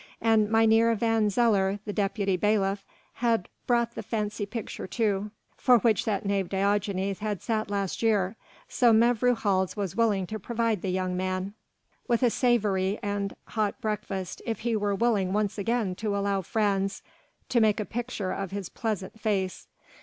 And Mynheer van Zeller the deputy bailiff had bought the fancy picture too, for which that knave Diogenes had sat last year, so Mevrouw Hals was willing to provide the young man with a savoury and hot breakfast if he were willing once again to allow Frans to make a picture of his pleasant face.